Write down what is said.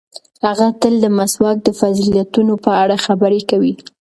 هغه تل د مسواک د فضیلتونو په اړه خبرې کوي.